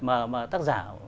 mà tác giả